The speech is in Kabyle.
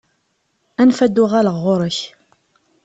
Anef ad d-uɣaleɣ ɣur-k.